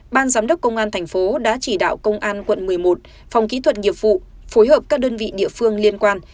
ban giám đốc công an thành phố đã chỉ đạo công an quận một mươi một phòng kỹ thuật nghiệp vụ phối hợp các đơn vị địa phương liên quan